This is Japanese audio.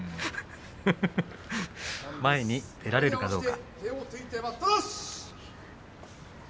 前に出られるかどうか。